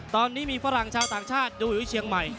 ตอนนี้มีฝรั่งชาวต่างชาติดูอยู่ที่เชียงใหม่